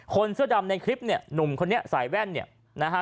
เสื้อดำในคลิปเนี่ยหนุ่มคนนี้ใส่แว่นเนี่ยนะฮะ